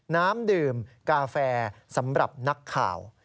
น้ำดื่มกาแฟสำหรับนักข่าว